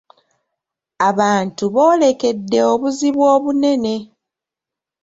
Abantu boolekedde obuzibu obunene.